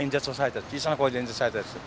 小さな声で演説されたんです。